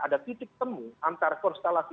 ada titik temu antara konstelasi